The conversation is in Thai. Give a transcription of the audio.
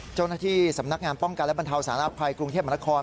เจ้าหน้าที่สำนักงานป้องกันและบรรเทาสารภัยกรุงเทพมนาคม